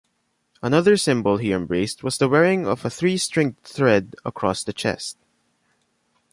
Another symbol he embraced was the wearing of a three-stringed thread across the chest.